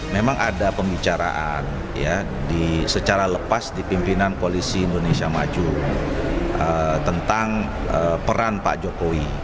memang ada pembicaraan secara lepas di pimpinan koalisi indonesia maju tentang peran pak jokowi